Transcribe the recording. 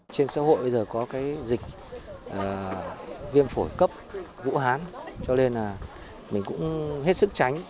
trên xã hội bây giờ có cái dịch viêm phổi cấp vũ hán cho nên là mình cũng hết sức tránh